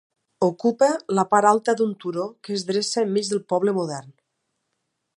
Ocupa la part alta d'un turó que es dreça enmig del poble modern.